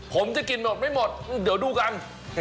ผมจะกินหมดไม่หมดเดี๋ยวดูกัน